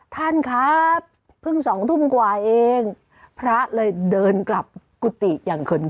ท่านครับเพิ่ง๒ทุ่มกว่าเองพระเลยเดินกลับกุฏิอย่างเขิน